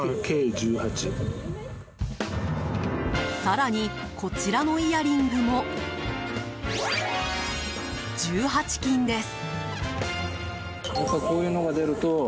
更に、こちらのイヤリングも１８金です。